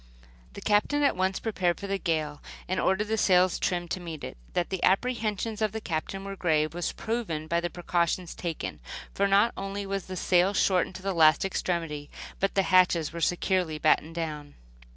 The Captain at once prepared for a gale and ordered the sails trimmed to meet it. That the apprehensions of the Captain were grave was proven by the precautions taken; for not only was sail shortened to the last extremity, but the hatches were securely battened down.